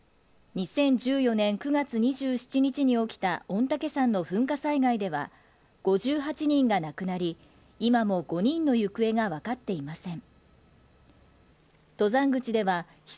２０１４年９月２７日に起きた御嶽山の噴火災害では、５８人が亡くなり、今も５人の行方が分かっていません。